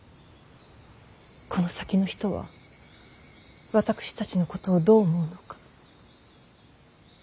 この先の人は私たちのことをどう思うのか。